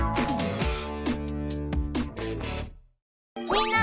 みんな！